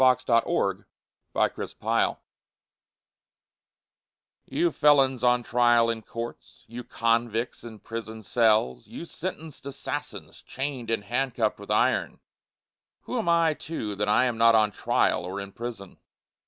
You Felons on Trial in Courts You felons on trial in courts, You convicts in prison cells, you sentenced assassins chainâd and handcuffâd with iron, Who am I too that I am not on trial or in prison?